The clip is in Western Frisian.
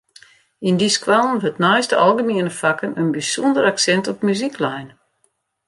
Yn dy skoallen wurdt neist de algemiene fakken in bysûnder aksint op muzyk lein.